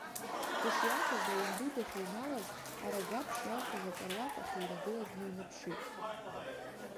Дышиашаз аҩнду дахьыҩналаз, арагәаԥшь иалхыз акаруаҭ ахьыҩнагылаз дныҩнаԥшит.